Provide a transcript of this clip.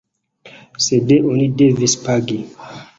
Sed oni devis pagi.